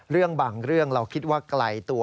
เรื่องบางเรื่องเราคิดว่าไกลตัว